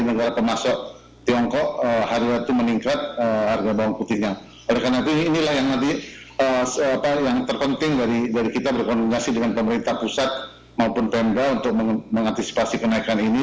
oleh karena itu inilah yang nanti yang terpenting dari kita berkoordinasi dengan pemerintah pusat maupun pemda untuk mengantisipasi kenaikan ini